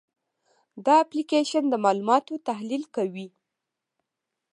دا اپلیکیشن د معلوماتو تحلیل کوي.